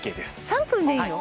３分でいいの？